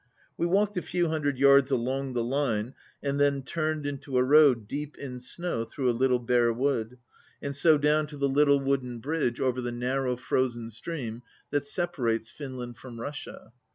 We walked a few hundred yards along the line and then turned into a road deep in snow through a little bare wood, and so down to the little wooden 3 bridge over the narrow frozen stream that sepa rates Finland from Russia.